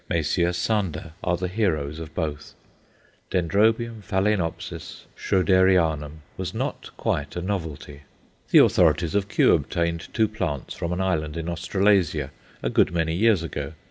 Messrs. Sander are the heroes of both. Dendrobium ph. Schroederianum was not quite a novelty. The authorities of Kew obtained two plants from an island in Australasia a good many years ago.